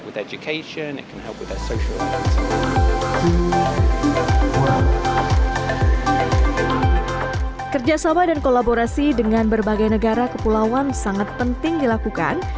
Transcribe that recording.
kerjasama dan kolaborasi dengan berbagai negara kepulauan sangat penting dilakukan